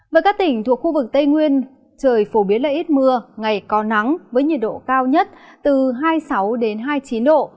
với các tỉnh thuộc khu vực tây nguyên trời phổ biến là ít mưa ngày có nắng với nhiệt độ cao nhất từ hai mươi sáu hai mươi chín độ